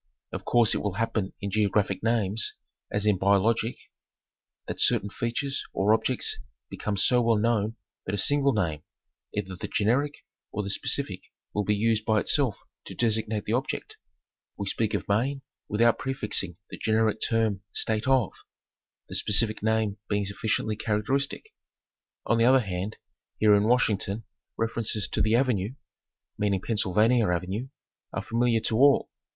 Of course it will happen in geographic names, as in biologic, that certain features or objects become so well known that a single name, either the generic or the specific will be used by itself to designate the object. We speak of Maine without prefixing the generic term "State of," the specific name being sufficiently characteristic. On the other hand here in Washington references to "the Avenue" meaning Pennsylvania Avenue are familiar to all.